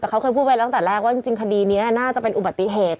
แต่เขาเคยพูดไปตั้งแต่แรกว่าจริงคดีนี้น่าจะเป็นอุบัติเหตุ